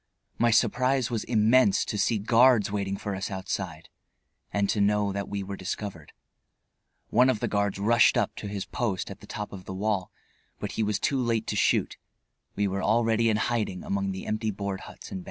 My surprise was immense to see guards waiting for us outside, and to know that we were discovered. One of the guards rushed up to his post at the top of the wall, but he was too late to shoot; we were already in hiding among the empty board huts and barracks.